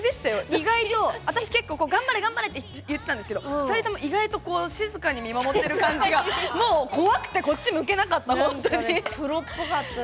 意外と私、結構頑張れ頑張れって言ってたんですけど２人とも意外と静かに見守ってる感じが怖くてこっち向けなかった。